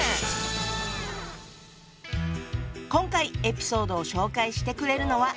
今回エピソードを紹介してくれるのは。